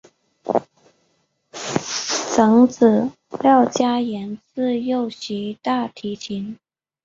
长子廖嘉言自幼习大提琴。